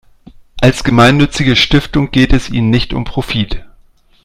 Als gemeinnützige Stiftung geht es ihnen nicht um Profit.